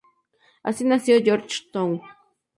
Así nació Georgetown.